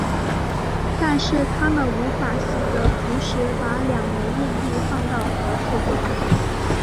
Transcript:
但是它们无法习得同时把两枚硬币放到盒子中。